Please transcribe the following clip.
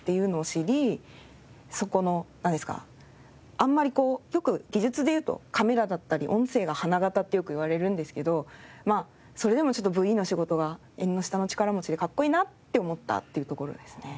そこのなんですかあんまりこうよく技術でいうとカメラだったり音声が花形ってよく言われるんですけどそれでもちょっとＶＥの仕事が縁の下の力持ちでかっこいいなって思ったっていうところですね。